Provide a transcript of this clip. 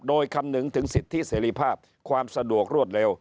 โดยคำนึงถึงสิทธิเสรีภาพความสะดวกรวดเร็ว